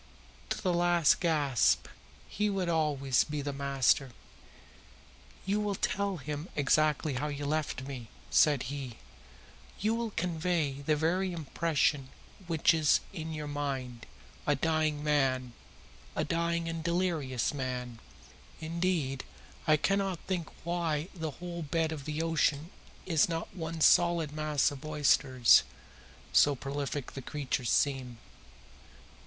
To the last gasp he would always be the master. "You will tell him exactly how you have left me," said he. "You will convey the very impression which is in your own mind a dying man a dying and delirious man. Indeed, I cannot think why the whole bed of the ocean is not one solid mass of oysters, so prolific the creatures seem.